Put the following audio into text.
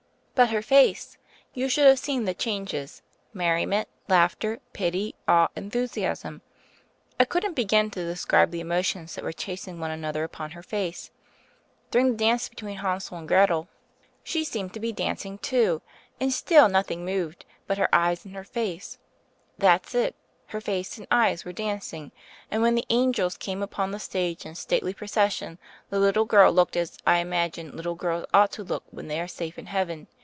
But her face ! You should have seen the changes — merriment, laughter, pity, awe, enthusiasm. I couldn't be gin to describe the emotions that were chasing one another upon her face. During the dance between Hansel and Gretel, she seemed to b^ 40 THE FAIRY OF THE SNOWS dancing, too; and still nothing moved but her eyes and her face. That's it : her face and eyes were dancing, and when the angels came upon the stage in stately procession the little girl looked as I imagine little girls ought to look when they are safe in heaven.